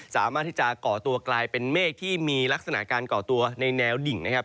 สามารถที่จะก่อตัวกลายเป็นเมฆที่มีลักษณะการก่อตัวในแนวดิ่งนะครับ